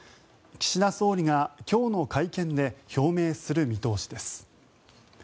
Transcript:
岸田総理が今日の会見で表明する見通しです。